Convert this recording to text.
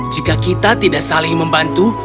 jika kita tidak saling membantu